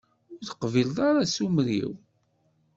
Ur teqbileḍ ara asumer-iw?